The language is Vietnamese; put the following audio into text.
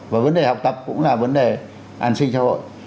và vấn đề học tập cũng là vấn đề an sinh xã hội